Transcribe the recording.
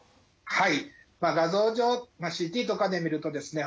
はい画像上まあＣＴとかで見るとですね